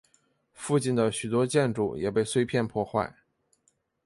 附近的许多建筑也被碎片破坏。